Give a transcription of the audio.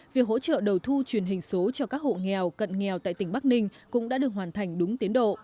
việc hỗ trợ đầu thu truyền hình số cho các hộ nghèo cận nghèo tại tỉnh bắc ninh cũng đã được hoàn thành đúng tiến độ